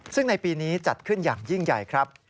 ซึ่งในปีนี้จัดขึ้นอย่างยิ่งใหญ่ครับ